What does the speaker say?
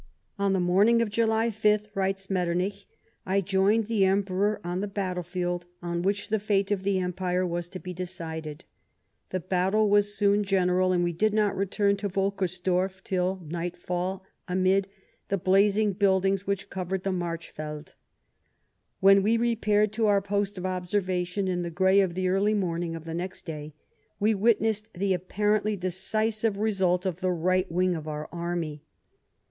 " On the morning of July 5," writes Metternich, " I joined the Emperor on the battlefield on which the fate of the Empire was to be decided. The battle was soon general, and we did not return to Wolkersdorf till nightfall, amid the blazing buildings which covered the Marchfeld. When we repaired to our post of observation in the grey of the early morning of the next day, we witnessed the apparently decisive result of the right wing of our army.